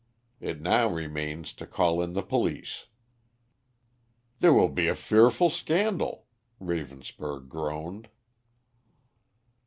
It now remains to call in the police." "There will be a fearful scandal," Ravenspur groaned.